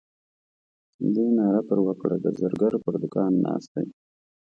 دې ناره پر وکړه د زرګر پر دوکان ناست دی.